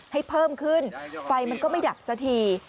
ให้เพิ่มขึ้นไฟมันก็ไม่ดับสักที